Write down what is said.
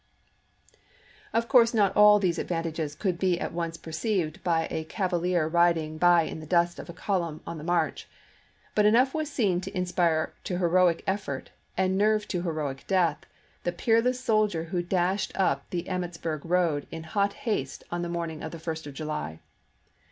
Of course not all these advantages could be at once perceived by a cavalier riding by in the dust of a column on the march. But enough was seen to in spire to heroic effort, and nerve to heroic death, the peerless soldier who dashed up the Emmits burg road in hot haste on the morning of the 1863. first of July.